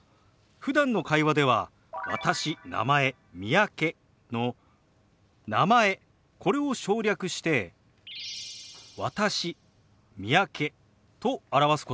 ふだんの会話では「私」「名前」「三宅」の「名前」これを省略して「私」「三宅」と表すこともありますよ。